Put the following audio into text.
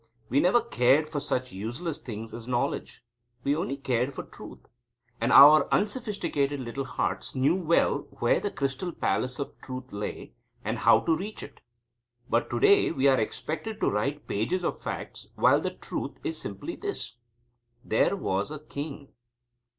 We never cared for such useless things as knowledge. We only cared for truth. And our unsophisticated little hearts knew well where the Crystal Palace of Truth lay and how to reach it. But to day we are expected to write pages of facts, while the truth is simply this: "There was a king."